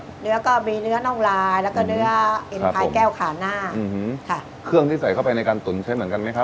เนื้อก็มีเนื้อน่องลายแล้วก็เนื้อเอ็นพายแก้วขาหน้าอืมค่ะเครื่องที่ใส่เข้าไปในการตุ๋นใช้เหมือนกันไหมครับ